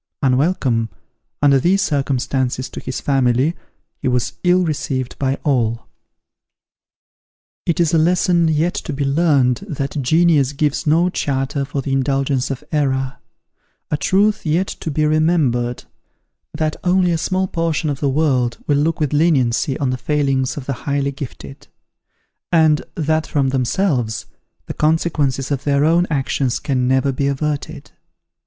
Unwelcome, under these circumstances, to his family, he was ill received by all. It is a lesson yet to be learned, that genius gives no charter for the indulgence of error, a truth yet to be remembered, that only a small portion of the world will look with leniency on the failings of the highly gifted; and, that from themselves, the consequences of their own actions can never be averted.